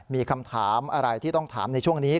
มีคำถามอะไรที่ต้องถามในช่วงนี้